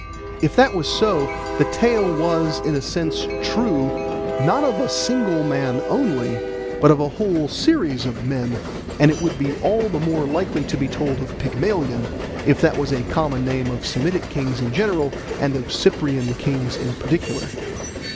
If that was so, the tale was in a sense true, not of a single man only, but of a whole series of men, and it would be all the more likely to be told of Pygmalion, if that was a common name of Semitic kings in general, and of Cyprian kings in particular.